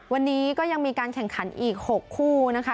วันนี้ก็ยังมีการแข่งขันอีก๖คู่นะคะ